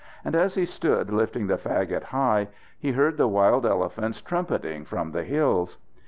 And as he stood, lifting the fagot high, he heard the wild elephants trumpeting from the hills.